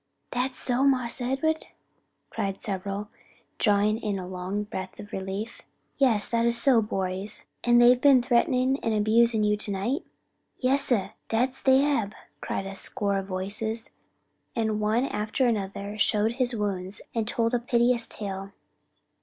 "Dat so, Mars Ed'ard?" cried several, drawing a long breath of relief. "Yes, that is so, boys. And they've been threatening and abusing you to night?" "Yes, sah, dat dey hab!" cried a score of voices, and one after another showed his wounds, and told a piteous tale.